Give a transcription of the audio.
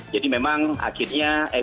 jadi memang akhirnya edra